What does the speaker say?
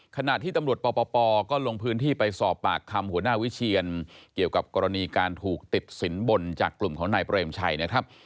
ขณะที่ตำรวจปปก็ลงพื้นที่ไปสอบปากคำหัวหน้าวิเชียนเกี่ยวกับกรณีการถูกติดสินบนจากกลุ่มของนายเปรมชัยนะครับ